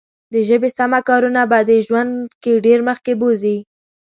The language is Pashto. د ژبې سمه کارونه به دې ژوند کې ډېر مخکې بوزي.